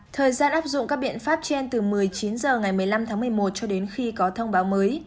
thời gian áp dụng các biện pháp trên từ một mươi chín h ngày một mươi năm tháng một mươi một cho đến khi có thông báo mới